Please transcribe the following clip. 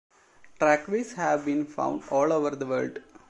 Trackways have been found all over the world.